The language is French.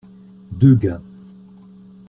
Deux gars.